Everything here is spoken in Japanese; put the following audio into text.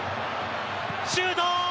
シュート！